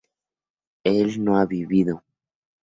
él no había vivido